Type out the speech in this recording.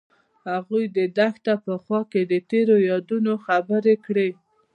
هغوی د دښته په خوا کې تیرو یادونو خبرې کړې.